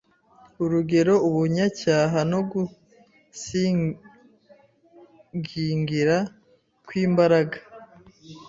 urugero ubunyacyaha no gusigingira kw’imbaraga